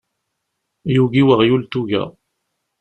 Yugi weɣyul tuga.